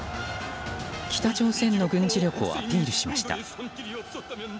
北朝鮮の軍事力をアピールしました。